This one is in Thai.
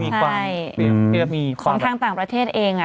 ของทางต่างประเทศเอง